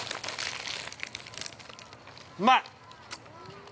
◆うまい！